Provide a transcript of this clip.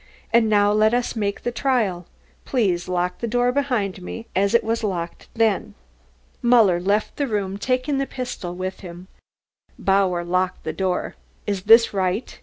And now, let us make the trial. Please lock the door behind me as it was locked then." Muller left the room, taking the pistol with him. Bauer locked the door. "Is this right?"